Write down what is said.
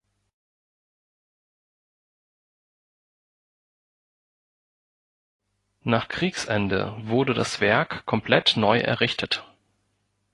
Nach Kriegsende wurde das Werk komplett neu errichtet.